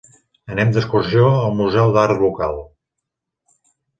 Anem d'excursió al museu d'art local.